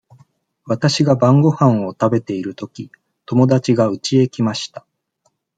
わたしが晩ごはんを食べているとき、友だちがうちへ来ました。